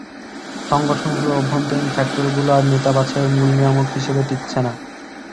সংগঠনগুলোর অভ্যন্তরীণ ফ্যাক্টরগুলো আর নেতা বাছাইয়ের মূল নিয়ামক হিসেবে টিকছে না।